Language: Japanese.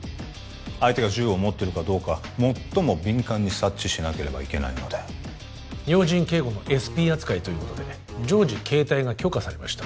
相手が銃を持ってるかどうか最も敏感に察知しなければいけないので要人警護のＳＰ扱いということで常時携帯が許可されました